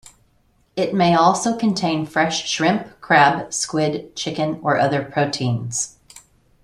It may also contain fresh shrimp, crab, squid, chicken or other proteins.